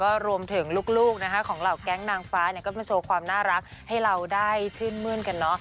รวมถึงลูกนะคะของเหล่าแก๊งนางฟ้าก็มาโชว์ความน่ารักให้เราได้ชื่นมื้นกันเนอะ